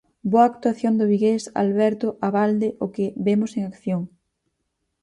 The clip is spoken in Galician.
Boa actuación do vigués Alberto Abalde o que vemos en acción.